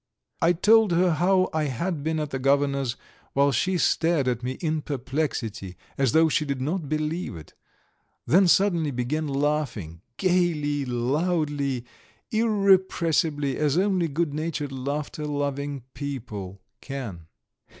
I told her how I had been at the Governor's, while she stared at me in perplexity as though she did not believe it, then suddenly began laughing gaily, loudly, irrepressibly, as only good natured laughter loving people can.